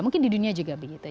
mungkin di dunia juga begitu